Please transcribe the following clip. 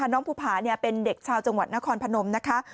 น้องภูผาเป็นเด็กชาวจังหวัดนครพนมนะคะ